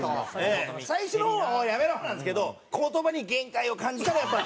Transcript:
最初の方は「おいやめろ」なんですけど言葉に限界を感じたらやっぱ。